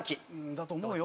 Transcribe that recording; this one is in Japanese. だと思うよ。